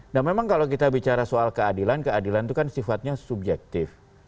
nah memang kalau kita bicara soal keadilan keadilan itu kan sifatnya subjektif